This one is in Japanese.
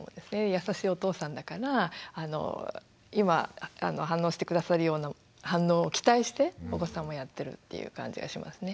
優しいお父さんだから今反応して下さるような反応を期待してお子さんもやってるっていう感じがしますね。